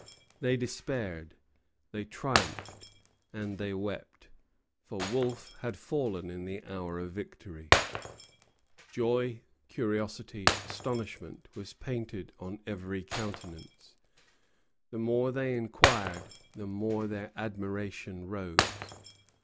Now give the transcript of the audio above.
They despaired, they triumphed, and they wept; for Wolfe had fallen in the hour of victory. Joy, curiosity, astonishment, was painted on every countenance. The more they inquired, the more their admiration rose.